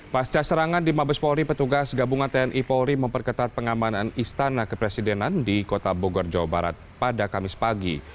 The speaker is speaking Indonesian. pasca serangan di mabes polri petugas gabungan tni polri memperketat pengamanan istana kepresidenan di kota bogor jawa barat pada kamis pagi